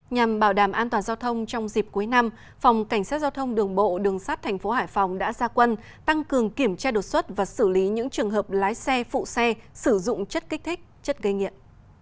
nhằm bảo đảm an toàn giao thông trong dịp cuối năm phòng cảnh sát giao thông đường bộ đường sát tp hải phòng đã ra quân tăng cường kiểm tra đột xuất và xử lý những trường hợp lái xe phụ xe sử dụng chất kích thích chất gây nghiện